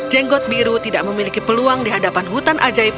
jenggot biru tidak memiliki peluang di hadapan hutan ajaib